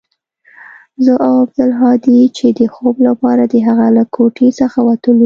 زه او عبدالهادي چې د خوب لپاره د هغه له کوټې څخه وتلو.